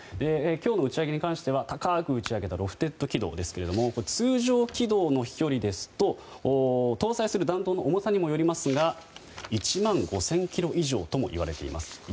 今日の打ち上げに関しては高く打ち上げたロフテッド軌道ですが通常軌道の飛距離ですと搭載する弾頭の重さにもよりますが１万５０００ｋｍ以上ともいわれています。